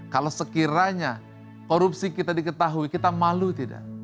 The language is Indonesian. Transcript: kalau sekiranya korupsi kita diketahui kita malu tidak